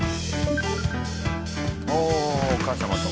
おおお母様と。